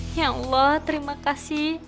ya allah terima kasih